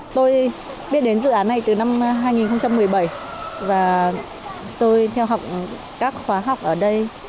tôi biết đến dự án này từ năm hai nghìn một mươi bảy và tôi theo học các khóa học ở đây